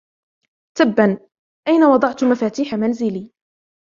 تبا، أين وضعت مفاتيح منزلي؟